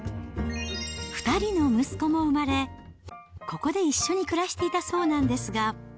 ２人の息子も生まれ、ここで一緒に暮らしていたそうなんですが。